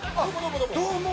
どうも。